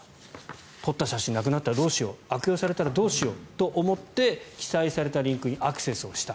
撮った写真がなくなったらどうしよう悪用されたらどうしようと思って記載されたリンクにアクセスした。